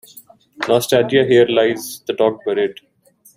Nostalgia Here lies the dog buried.